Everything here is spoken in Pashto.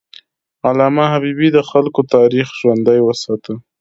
علامه حبیبي د خلکو تاریخ ژوندی وساته.